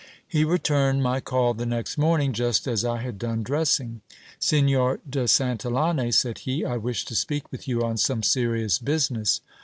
He returned my call the next morning, just as I had done dressing. Signor de Santillane, said he, I wish to speak with you on some serious business.